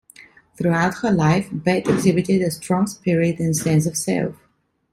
Throughout her life, Bet exhibited a strong spirit and sense of self.